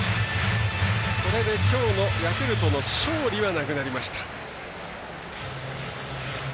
これできょうのヤクルトの勝利はなくなりました。